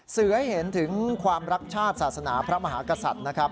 สื่อให้เห็นถึงความรักชาติศาสนาพระมหากษัตริย์นะครับ